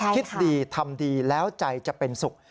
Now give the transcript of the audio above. คิดดีทำดีแล้วใจจะเป็นสุข